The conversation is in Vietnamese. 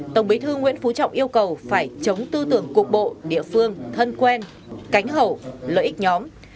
tổng bí thư nguyễn phú trọng yêu cầu phải chống tư tưởng cục bộ địa phương thân quen cánh hậu lợi ích nhóm